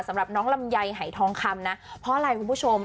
สำหรับน้องลำไยหายทองคำนะเพราะอะไรคุณผู้ชม